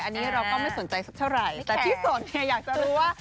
อันนี้เราก็ไม่สนใจสักเท่าไหร่แต่ที่สนเนี่ยอยากจะรู้ว่า